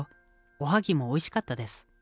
おはぎもおいしかったです。